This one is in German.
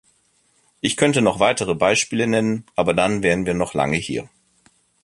Ich könnte noch weitere Beispiele nennen, aber dann wären wir noch lange hier.